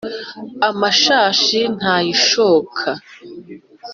Amashashi ntayishoka